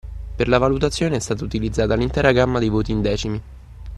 Per la valutazione è stata utilizzata l’intera gamma dei voti in decimi.